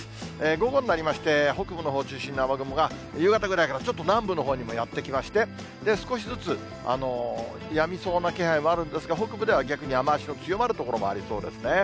午後になりまして、北部のほう中心に雨雲が、夕方ぐらいからちょっと南部のほうにもやって来まして、少しずつやみそうな気配もあるんですが、北部では逆に雨足の強まる所もありそうですね。